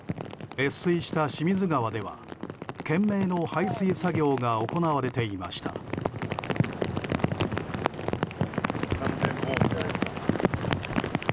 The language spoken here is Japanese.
越水した清水川では懸命の排水作業が行われていました。